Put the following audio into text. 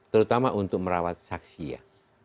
terutama untuk merawat saksi ya